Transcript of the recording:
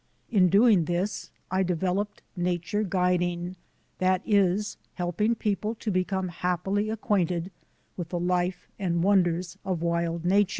In doing this I developed nature guiding, that is, helping people to become happily acquainted with the life and wonders of wild nature.